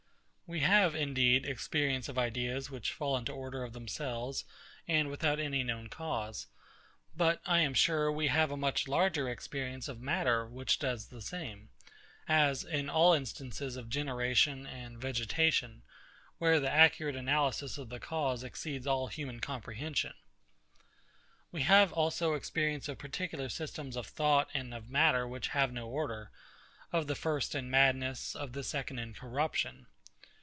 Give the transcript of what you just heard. We have, indeed, experience of ideas which fall into order of themselves, and without any known cause. But, I am sure, we have a much larger experience of matter which does the same; as, in all instances of generation and vegetation, where the accurate analysis of the cause exceeds all human comprehension. We have also experience of particular systems of thought and of matter which have no order; of the first in madness, of the second in corruption.